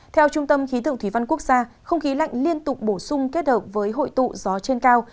theo trung tâm khí tượng thủy văn quốc gia không khí lạnh liên tục bổ sung kết hợp với hội tụ gió trên cao